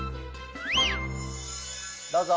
どうぞ。